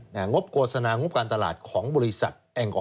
งบโฆษณาง๊บการตลาดของบริษัท